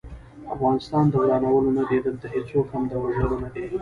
افغانستان د ورانولو نه دی، دلته هيڅوک هم د وژلو نه دی